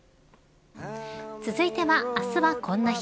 続いてはあすはこんな日。